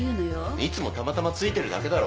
いつもたまたまついてるだけだろ。